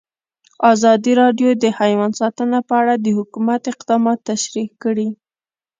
ازادي راډیو د حیوان ساتنه په اړه د حکومت اقدامات تشریح کړي.